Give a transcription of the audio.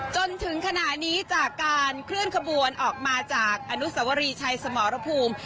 จนถึงขณะนี้จากการเคลื่อนขบวนออกมาจากอนุสวรีชัยสมรภูมิ